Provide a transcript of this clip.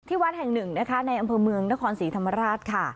วัดแห่งหนึ่งนะคะในอำเภอเมืองนครศรีธรรมราชค่ะ